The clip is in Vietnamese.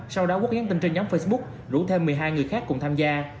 sau đó quốc nhắn tin trên nhóm facebook rủ thêm một mươi hai người khác cùng tham gia